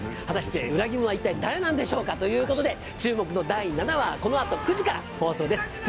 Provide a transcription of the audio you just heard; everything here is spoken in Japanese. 果たして裏切り者は一体誰なんでしょうかということで注目の第７話このあと９時から放送です